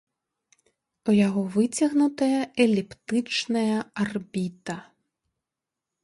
У яго выцягнутая эліптычная арбіта.